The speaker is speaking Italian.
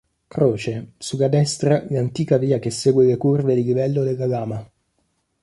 Croce, sulla destra l'antica via che segue le curve di livello della lama.